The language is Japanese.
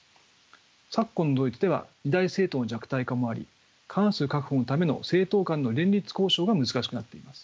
昨今のドイツでは二大政党の弱体化もあり過半数確保のための政党間の連立交渉が難しくなっています。